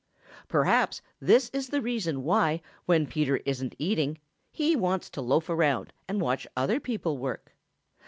Perhaps this is the reason why, when Peter isn't eating, he wants to loaf around and watch other people work.